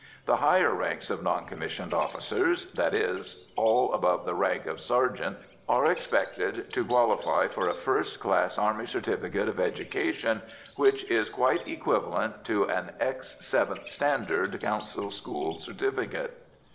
The higher ranks of non commissioned officer that is, all above the rank of sergeant are expected to qualify for a first class Army certificate of education, which is quite equivalent to an ex 7th standard council school certificate.